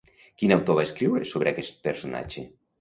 Quin autor va escriure sobre aquest personatge?